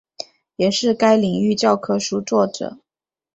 也是该领域教科书作者。